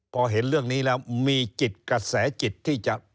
พอเห็นเรื่องนี้แล้วมีจิตกระแสจิตที่จะ